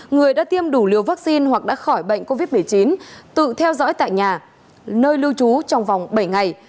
người đã tiêm đủ liều vaccine hoặc đã khỏi bệnh covid một mươi chín tự theo dõi tại nhà nơi lưu trú trong vòng bảy ngày